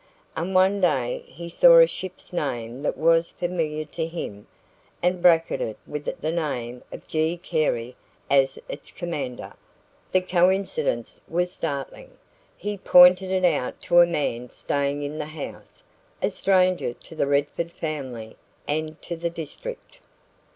And one day he saw a ship's name that was familiar to him, and bracketed with it the name of G. Carey as its commander. The coincidence was startling. He pointed it out to a man staying in the house a stranger to the Redford family and to the district.